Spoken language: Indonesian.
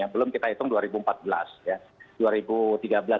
belum kita hitung dua ribu empat belas ya